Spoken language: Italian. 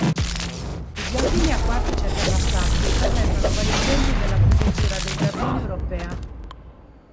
I Giardini Acquatici e Terrazzati presentano vari esempi dell’architettura dei giardini europea.